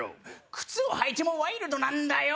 靴を履いてもワイルドなんだよ。